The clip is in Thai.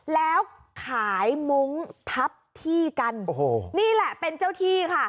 แล้วขายมุ้งทับที่กันโอ้โหนี่แหละเป็นเจ้าที่ค่ะ